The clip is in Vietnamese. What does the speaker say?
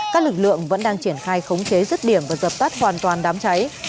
các lực lượng vẫn đang triển khai khống chế rứt điểm và dập tắt hoàn toàn đám cháy